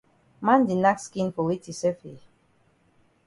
Man di nack skin for weti sef eh?